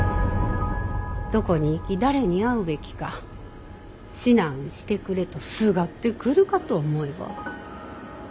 どこに行き誰に会うべきか指南してくれとすがってくるかと思えば。